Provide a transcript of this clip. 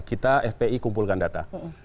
kita fpi kumpulkan data